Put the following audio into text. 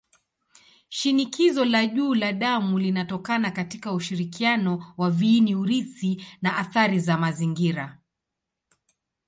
Shinikizo la juu la damu linatokana katika ushirikiano wa viini-urithi na athari za mazingira.